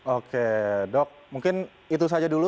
oke dok mungkin itu saja dulu